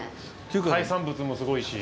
海産物もすごいし。